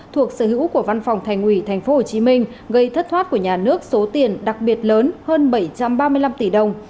thuộc sở hữu của văn phòng thành ủy tp hcm gây thất thoát của nhà nước số tiền đặc biệt lớn hơn bảy trăm ba mươi năm tỷ đồng